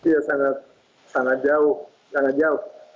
ya sangat jauh